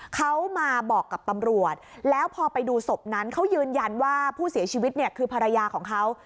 เขามาบอกกับตำรวจแล้วพอไปดูศพนั้นเขายืนยันว่าผู้เสียชีวิตเนี่ยคือภรรยาของเขา